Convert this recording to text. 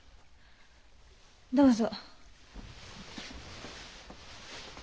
どうぞ。